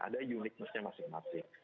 ada uniquenessnya masing masing